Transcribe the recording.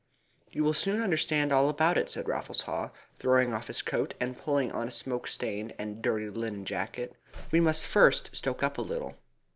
"You will soon understand all about it," said Raffles Haw, throwing off his coat, and pulling on a smoke stained and dirty linen jacket. "We must first stoke up a little."